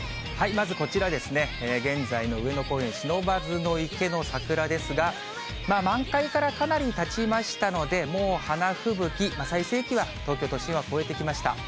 まずこちらですね、現在の上野公園不忍池の桜ですが、満開からかなりたちましたので、もう花吹雪、最盛期は東京都心は超えてきました。